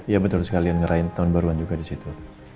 iya betul sekali ngerayain tahun baruan juga disitu